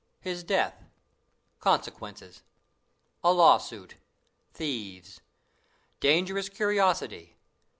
His Death. Consequences. A Lawsuit. Thieves. Dangerous Curiosity.